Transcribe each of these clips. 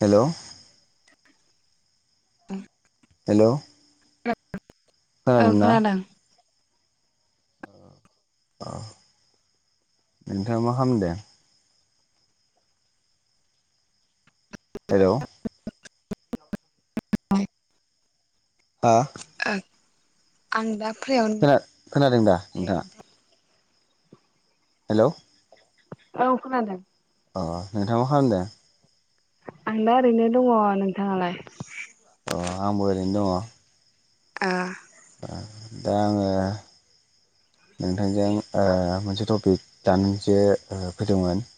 हेल'। [unintelligible] हेल'। [unintelligible] औ खोनादों। [unintelligible] हेल'। ओ अ। आं दा खोन फ्रियावनो खोनादों दा नोंथाङा? हेल'। औ खोनादों। अ नोंथां मा खालामदो? आं दा ओरैनो दङ नोंथाङालाय? अ आंबो ओरैनो दङ'। अ। दा आङो नोंथांजों ओ मोनसे टपिक दाननोसो फैदोंमोन।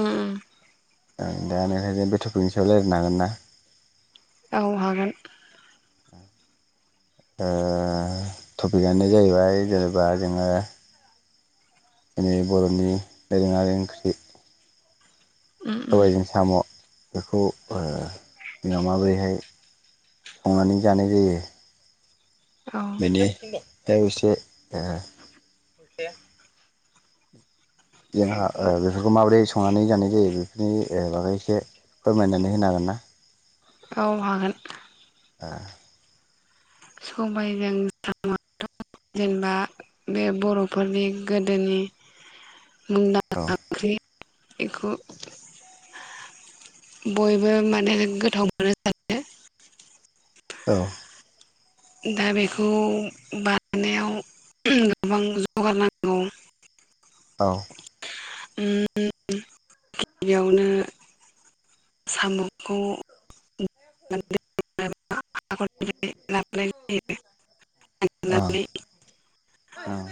उम। दा ओखायनो बेट'फोरनि सायाव रायलायनो हागोन ना? औ हागोन। ओ टपिकआनो जाहैबाय जेनेबा जोङो। दिनै बर'नि दोरोङारि ओंख्रि। उम उम सबायजों साम'। बेखौ ओ जोंहा माबोरैहाय संनानै जानाय जायो। औ बेनि इसे ओ जोंहा ओ बेफोरखौ माबोरै संनानै जानाय जायो बेफोरनि बागै एसे फोरमायनानै होनो हागोन ना? औ हागोन। ओ। सबायाइजों साम' जेनेबा बे बर'फोरनि गोदोनि ओ मुंदांखा ओंख्रि। बेखौ बयबो माने गोथाव मोनो जानो। औ। दा बेखौ बानायनायाव गोबां जगार नांगौ। औ। उम। गिबियावनो साम'खौ [unintelligible] [unintelligible] [unintelligible] [unintelligible] जेनेबा हरसे औ ओं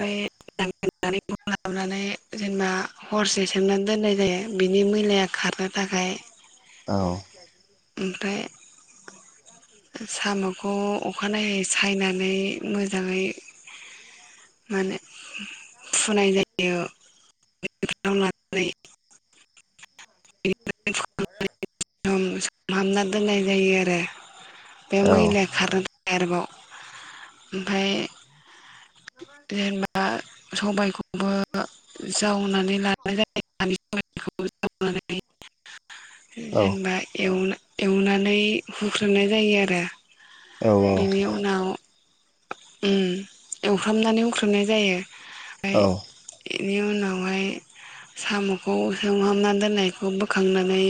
सोमनानै दोननाय जायो बेनि मैलाया खारनो थाखाय औ ओमफ्राय साम'खौ अखानायै सायनानै मोजाङै माने फुनाय जायो [unintelligible] [unintelligible] सोमहाबना दोननाय जायो आरो बे मैला खारनो थ [unintelligible] आरोबाव ओमफाय जेनेबा सबायखौबो जावनानै लानाय जायो [unintelligible] औ जेनेबा एवनो एवनानै हुख्रेमनाय जायो आरो औ बेनि उनाव उम एवफ्रामनानै हुख्रेमनाय जायो। औ इनि उनावहाय साम'खौ सोमहामना दोननायखौ बोखांनानै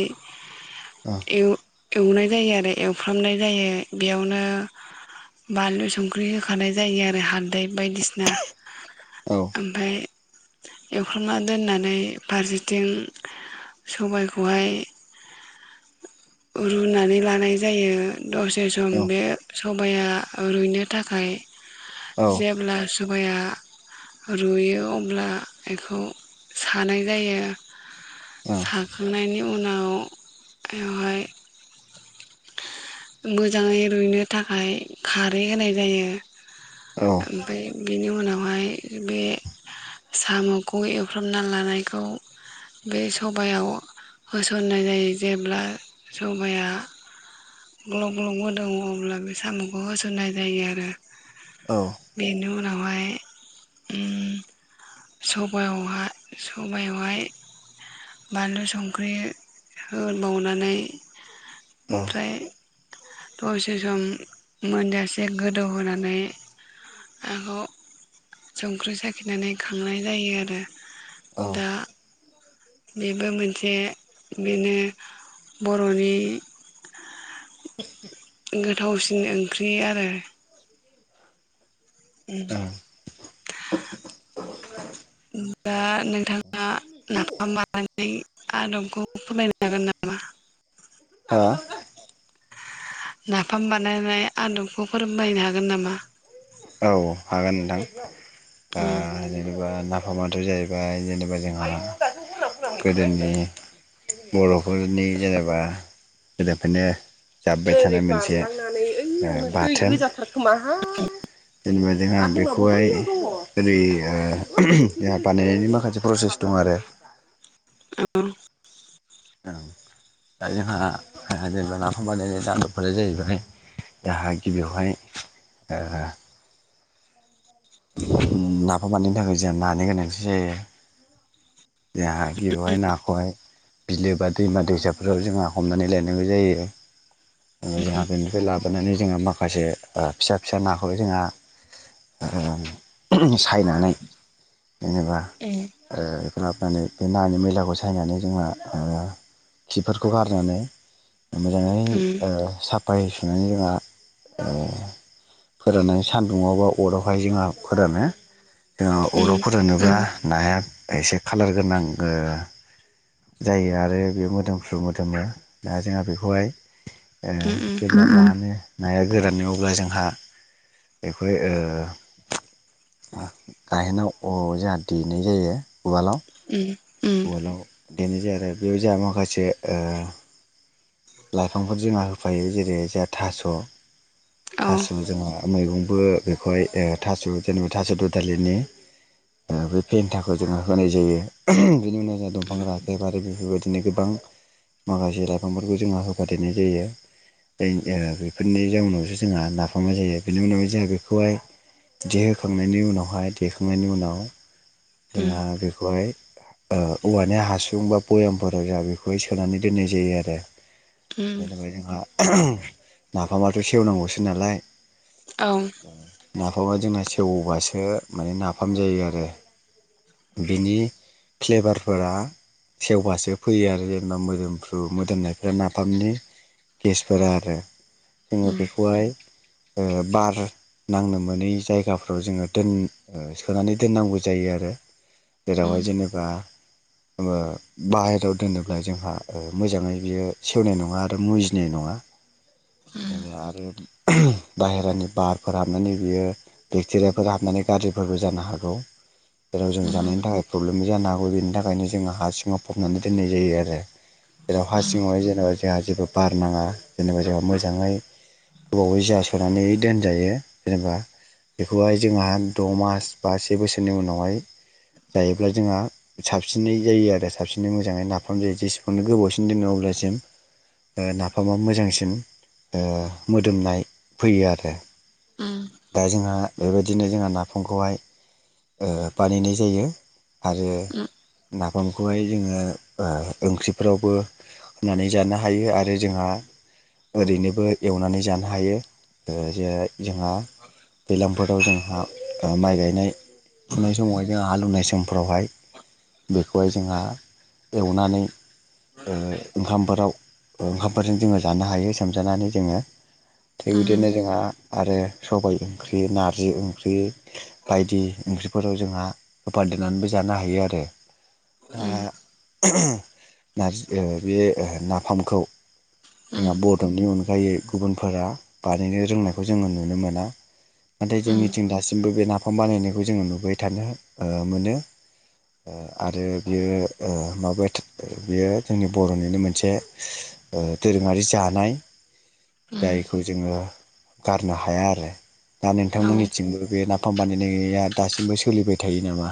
औ इउ एवनाय जायो आरो एवफ्रामनाय जायो बेयावनो बानलु संख्रि होखानाय जायो आरो हाल दै बायदिसिना औ औ ओमफाय एवफ्रामना दोननानै फारसेथिं सबायखौहाय रुनानै लानाय जायो दसे सम औ बे स सबाइया रुइनो थाखाय जेब्ला स सबाइया रुयो अब्ला इखौ सानाय जायो साखांनायनि उ उनाव एवहाय गोजाङै रुइनो थाखाय खारै होनाय जायो ओमफाय बेनि उनाव [unintelligible] हाय बे साम'खौ एवफ्रामना लानायखौ बे सबायाव होसननाय जायो जेब्ला सबाया ग्लब ग्लब गोदौवो अब्ला बे साम'खौ होसननाय जायो आरो बेनि उन उनावहाय सहाय उम सबायावहा सबायावहाय बानलु संख्रि होबावनानै ओमफ्राय दसे सम मोनजासे गोदौहोनानै आखौ संख्रि साखिनानै खांनाय जायो आरो दा बेबो मोनसे बेनो बर'नि [unintelligible] गोथावसिन ओंख्रि आरो। उम। [unintelligible] दा नोंथाङा नाफाम बानायनानै आदबखौ फोरमायनो हागोन नामा? नाफाम बानायनाय आदब बेखौ फोरोंबायनो हागोन नामा? औ हागोन नोंथां। उम आ बा नाफामाथ' जाहैबाय जेनेबा जोंहा गोदोनि बर'फोरनि जेनेबा गोदोफ्रायनो जाब्बाय थानाय मोनसे बाथोन। जेनेबा जोंहा बेखौहाय ओरै ओ जोंहा बानायनायनि माखासे प्रसेस दं आरो। औ। दा जोंहा ओ जेनबा नाफाम बानायनाय आदबफोरा जाहैबाय जाहा गिबियावहाय ओ नाफाम बानायनो थाखाय जोंहा नानि गोनांथि जायो। जोंहा गिबिआवहाय नाखौहाय बिलो बा दैमा दैसाफोराव जोंहा हमनानै लायनांगौ जायो। जोंहा बेनिफ्राय लाबोनानै जोंहा मा माखासे ओ फिसा फिसा नाखौल जोंहा ओ सायनानै जेनेबा उम ओ लाबनानै बे नानि मैलाखौ सायनानै जोंहा ओ खिफोरखौ गारनानै मोजाङै ओ साफ बायसानै जोंहा ओ फोराननानै सान्दुंङावबा अरावहाय जोंहा फोरानो। जोंहा उम अर'याव फोरानोब्ला नाया एसे खालार गोनां ओ जायो आरो बे मोदोमफ्रु मोदोमो दा जोंहा बेखौहाय ए उम [unintelligible] जानो। नाया गोरानो ऐवब्ला जोंहा बेखौ ओ गाहेनाव अर जोंहा दैनाय जायो उवालाव। [unintelligible] उवालआव देनाय जायो आरो बेयाव जोंहा माखासे ओ लाइफांफोर जोंहा होफायो जेरै जोंहा थास' औ थास' उम जोंहा मैगंबो बेखौहाय ओ थास' जेनेबा थास' दुदालिनि ओ बे फेन्थाखौ जोंङो होनाय जायो बेनि उनाव दंफां राखेब आरो बेफोरबायदि बिनो गोबां माखासे लाइफांफोर बेफोरखौ जोंहा होफादेरनाय जायो [inaudible] बेफोरनि जाउनावसो जोंहा नाफामा जायो बेनि उनावहाय जोंहा बेखौहाय देहोखांनायनि उनावहाय देखांनायनि उनाव जोंहा बेखौहाय ओ औवानि हासुं बा बयामफोराव जोंहा बेखौहाय सोनानै दोननाय जायो आरो। उम जेनेबाय जोंहा नाफामाथ' सेवनांगौसो नालाय औ उम ना फामा जोंना सेवबासो मानि नाफाम जायो आरो, बिनि फ्लेभारफोरा सेवबासो फैयो आरो जेनेबा मोदोमफ्रु मोदोमनाय नाफामनि गेसफोरा आरो, जोंङो बेखौहाय ओ बार नांनो मोनै जायगाफ्राव जोंङो दोन सोनानै दोननांगौ जायो आरो जेरावहाय उम जेनेबा ओ बाहेरायाव दोनोब्ला जोंहा ओ मोजांङै बियो सेवनाय नङा आरो मुजिनाय नङा आरो बाहेरानि बारफोर हाबनानै बियो बेक्टेरियाफोर हाबनानै गाज्रिफोरबो जानो हागौ। जेराव जों जानायनि थाखाय प्रब्लेम मो जानो हौगौ बेनि थाखायनो जोंङो हा सिङाव फबनानै दोननाय जायो आरो, जेराव हा सिङावहाय जे जेनेबा जोंहा जेबो बार नांङा जेनेबा जोंहा मोजांङै गोबावै जासोनानै दोनजायो जेनेबा बेखौहाय जोंहा द' मास बा से बोसोरनि उनावहाय जायोब्ला जोंहा साबसिनै जायो आरो साबसिनै मोजांङै नाफाम जायो जेसेबांनो गोबावसिन दोनो अब्लासिम ओ नाफामा मोजांसिन ओ मोदोमनाय फैयो आरो। उम दा जोंंहा [unintelligible] बिदिनो जोंहा नाफामखौहाय ओ बानायनाय जायो आरो नाफामखौहाय जोंङो ओ ओंख्रिफ्रावबो होनानै जानो हायो आरो जोंहा ओरैनोबो एवनानै जानो हायो ओ जे जोंहा दैलामफोराव जोंहा ओ माइ गायनाय फुनाय समावहाय जों हालेवनाय समफ्रावहाय बेखौहाय जोंहा एवनानै ओ‌ उ फोराव ओंखामफोरजों जोङो जानो हायो सोमजानानै जोङो थिग उम बिदिनो जोंहा आरो सबाय ओंख्रि नारजि ओंख्रि बायदि ओंख्रिफोराव जोंहा होफादेरनानैबो जानो हायो आरो उम उम नारजि बे ओ नाफामखौ जोंहा उम ब'रनि अनगायै गुबुनफोरा बानायनो रोंनायखौ जोङो नुनो मोना नाथाय उम जोंनिथिं दासिमबो बे ना दफां बानायनायखौ जोङो नुबाय थानो मोनो आरो बियो माबा बियो जोंनि बर'निनो मोनसे दोरोङारि जानाय उम जायखौ जोङो गारनो हाया आरो दा औ नोंथांमोननिथिंबो बे नाफाम मथम बानायनाया दासिमबो सोलिबाय थायो नामा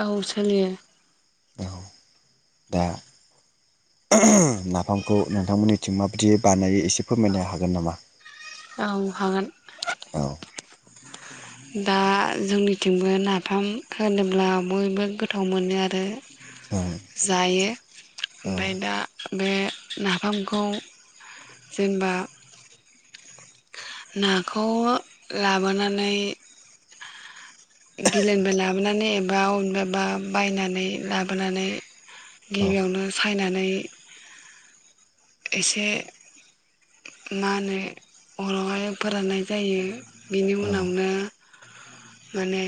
औ सोलियो औ दा नाफामखौ नोंथांमोननिथिं माबायदियै बानायो एसे फोरमायनो हागोन नामा औ हागोन दा जोंनिथिंबो नाफाम होनोब्ला बयबो गोथाव मोनो आरो जायो औ औ ओमफाय दा बे नाफामखौ जेनेबा नाखौ लाबोनानै बिलोनिफ्राय लाबोनानै एबा अबेनिफ्रायबा बायनानै लाबोनानै औ गिबियावनो सायनानै [unintelligible] एसे मा होनो अरावहाय फोराननाय जायो। बिनि औ उनावनो माने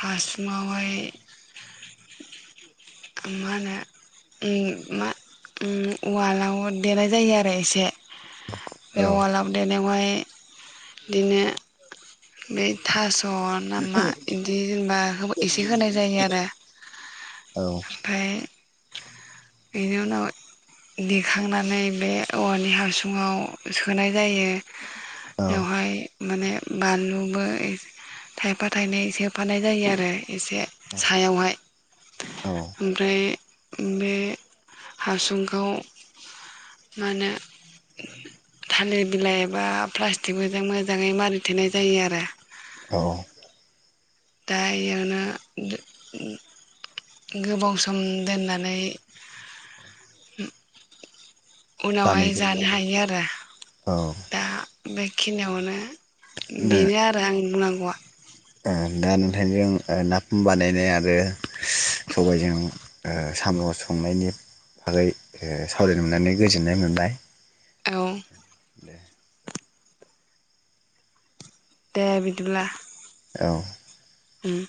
हासुंआव हाय मा होनो मा उवालाव देनाय जायो आरो एसे बे औ उवाल देनायावहाय बिदिनो बे थास स' नामा बिदि जेनेबा एसे होनाय जायो आरो ओमफाय बेनि उनाव देखांनानै बे औवानि हासुङाव सोनाय जायो औ बेवहाय माने बानलुबो ए थाइफा थाइनै सोफानाय जायो आरो। एसे सायावहाय। औ ओमफ्राय बे हासुंखौ मा होनो थालिर बिलाइ एबा प्लास्टिकफोरजों मोजाङै मारि थेनाय जायो आरो। औ। दा इयावनो गो-गो-गोबाव सम दोननानै उ उनावहाय जानाय जायो जानो हायो आरो, औ दा बेखिनियावनो बेनो आरो आंनि बुंनां वा दा दा नोंथांजों नाफाम बानायनाय आरो सबायजों ओ साम' संनायनि बागै ओ सावरायनो मोननानै गोजोननाय मोनबाय। औ। दे। दे बिदिब्ला। औ। उम।